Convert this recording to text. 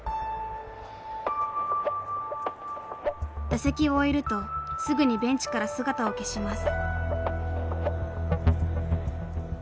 打席を終えるとすぐにベンチから姿を消します。